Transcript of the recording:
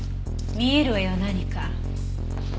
見えるわよ何か。